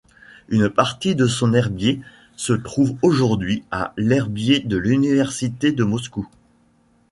Une partie de son herbier se trouve aujourd'hui à l'herbier de l'université de Moscou.